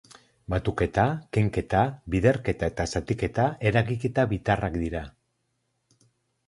Batuketa, kenketa, biderketa eta zatiketa eragiketa bitarrak dira.